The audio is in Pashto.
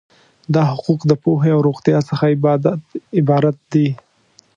دا حقوق د پوهې او روغتیا څخه عبارت دي.